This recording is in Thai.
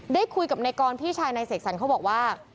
ได้คุยกับนายกรพี่ชายนายเสกสรรเขาบอกว่า